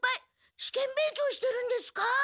試験勉強してるんですか？